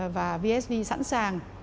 và vsb sẵn sàng